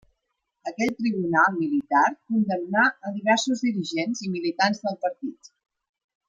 Aquell tribunal militar condemnà a diversos dirigents i militants del partit.